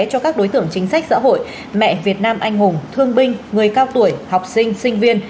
cho các đối tượng chính sách xã hội mẹ việt nam anh hùng thương binh người cao tuổi học sinh sinh viên